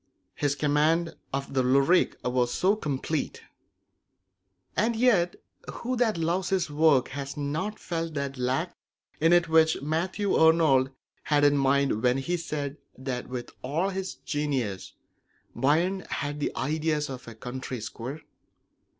His command of the lyric form was complete. And yet who that loves his work has not felt that lack in it which Matthew Arnold had in mind when he said that with all his genius Byron had the ideas of a country squire?